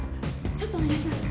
ちょっとお願いします